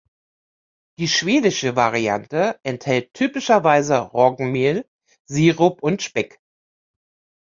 Die schwedische Variante enthält typischerweise Roggenmehl, Sirup und Speck.